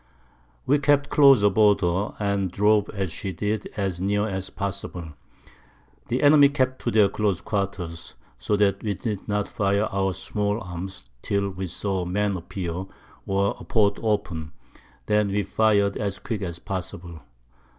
We kept close aboard her, and drove as she did as near as possible. The Enemy kept to their close Quarters, so that we did not fire our Small Arms till we saw a Man appear, or a Port open; then we fired as quick as possible.